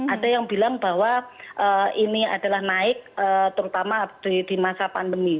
ada yang bilang bahwa ini adalah naik terutama di masa pandemi